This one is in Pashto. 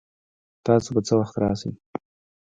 تاسو به څه وخت راشئ؟